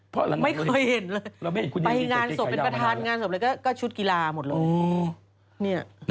เพราะไม่เคยเห็นเลยไปงานศพเป็นประธานงานศพเลยก็ชุดกีฬาหมดเลย